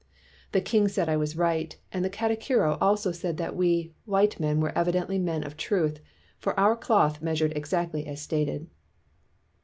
The king said I was right, and the katikiro also said that we 'white men were evidently men 222 STURDY BLACK CHRISTIANS of truth, for our cloth measured exactly as stated.